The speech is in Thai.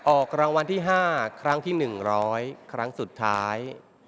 ออกรางวันที่ห้าครั้งที่หนึ่งร้อยครั้งสุดท้าย